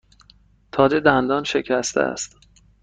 تاج دندان شکسته است.